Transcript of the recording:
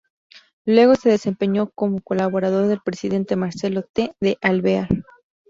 Luego se desempeñó como colaborador del presidente Marcelo T. de Alvear.